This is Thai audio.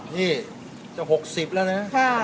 นี่จะ๖๐แล้วนะ